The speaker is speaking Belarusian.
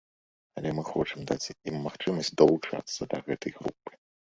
Але мы хочам даць ім магчымасць далучыцца да гэтай групы.